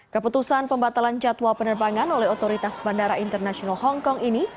keputusan pembatalan jadwal penerbangan oleh otoritas bandara internasional hongkong ini